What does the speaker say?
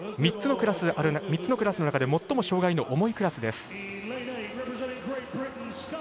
３つのクラスの中で最も障がいの重いクラスです。